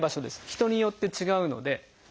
人によって違うので。